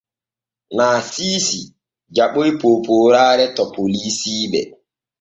Naasiisi jaɓoy poopooraare to polisiiɓe.